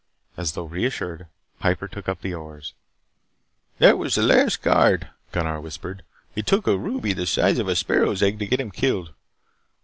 As though reassured, Piper took up his oars. "That was the last guard," Gunnar whispered. "It took a ruby the size of a sparrow's egg to get him killed.